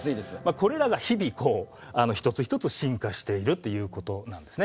これらが日々こう一つ一つ進化しているということなんですね。